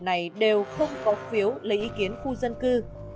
này đều không có phiếu lấy ý kiến khu dân cư